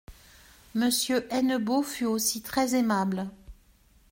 Monsieur Hennebeau fut aussi très aimable.